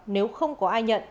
nếu không có ai nhận